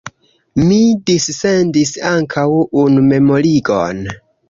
Mi dissendis ankaŭ unu memorigon.